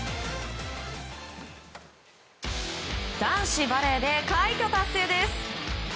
男子バレーで快挙達成です。